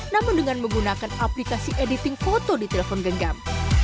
namun dengan menggunakan aplikasi editing foto di telepon genggam